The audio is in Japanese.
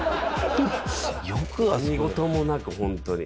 よく何事もなく、本当に。